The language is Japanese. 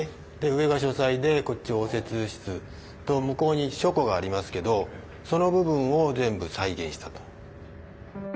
上が書斎でこっち応接室と向こうに書庫がありますけどその部分を全部再現したと。